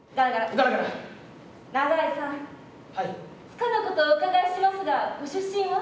つかぬことをお伺いしますがご出身は？